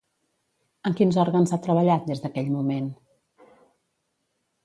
En quins òrgans ha treballat, des d'aquell moment?